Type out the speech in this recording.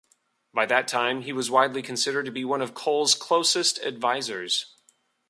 By that time, he was widely considered to be one of Kohl's closest advisers.